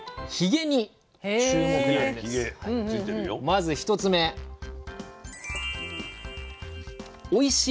まず１つ目おいしい